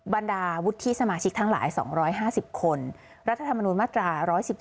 บรรดาวุฒิสมาชิกทั้งหลาย๒๕๐คนรัฐธรรมนุนมาตรา๑๑๒